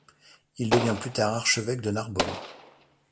Il devint plus tard archevêque de Narbonne.